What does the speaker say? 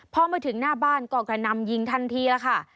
พอมาถึงหน้าบ้านก็กระนำยิงทันทีแล้วค่ะ